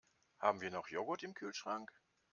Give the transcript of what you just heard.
Haben wir noch Joghurt im Kühlschrank?